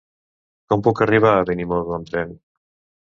Com puc arribar a Benimodo amb tren?